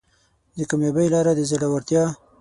د کامیابۍ لاره د زړورتیا